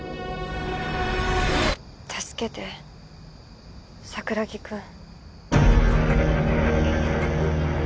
助けて桜木くん。